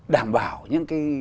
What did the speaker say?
đảm bảo những cái